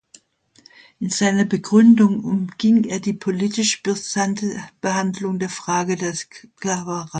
In seiner Begründung umging er die politisch brisante Behandlung der Frage der Sklaverei.